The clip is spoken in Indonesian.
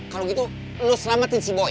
kalau gitu lo selamatin si boy